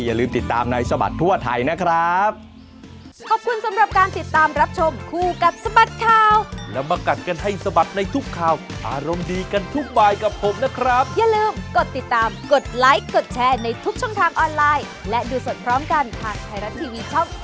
อย่าลืมติดตามในสบัดทั่วไทยนะครับ